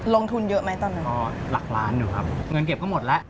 ลงทุนเยอะไหมตอนนั้นอ๋อหลักล้านอยู่ครับเงินเก็บก็หมดแล้ว